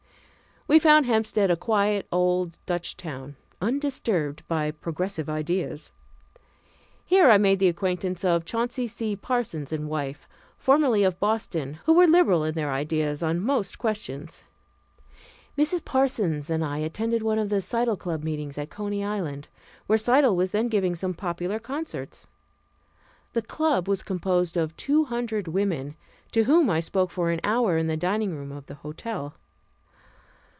We found Hempstead a quiet, old Dutch town, undisturbed by progressive ideas. Here I made the acquaintance of Chauncey C. Parsons and wife, formerly of Boston, who were liberal in their ideas on most questions. Mrs. Parsons and I attended one of the Seidl club meetings at Coney Island, where Seidl was then giving some popular concerts. The club was composed of two hundred women, to whom I spoke for an hour in the dining room of the hotel.